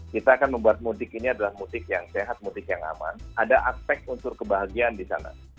kita akan membuat mutik ini adalah mutik yang sehat mutik yang aman ada aspek untuk kebahagiaan di sana